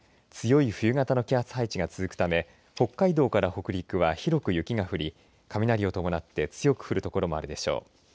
強い冬型の気圧配置が続くため北海道から北陸は広く雪が降り雷を伴って強く降る所もあるでしょう。